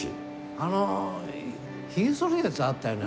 あのひげそるやつあったよね。